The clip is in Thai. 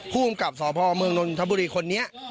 ผู้กำกับสพเมืองนทบุรีคนนี้